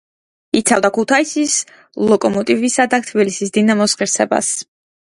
იცავდა ქუთაისის „ლოკომოტივისა“ და თბილისის „დინამოს“ ღირსებას.